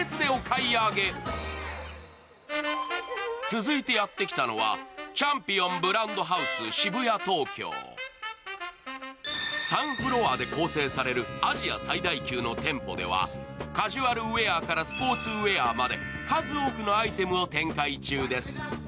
続いてやってきたのはチャンピオンブランドハウスシブヤトウキョウ３フロアで構成されるアジア最大級の店舗ではカジュアルウエアからスポーツウェアまで数多くのアイテムを展開中です。